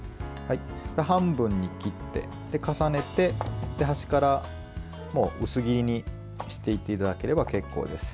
半分に切って、重ねて端から薄切りにしていっていただければ結構です。